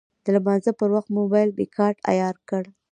د لمانځه پر وخت مې موبایل ریکاډر عیار کړ.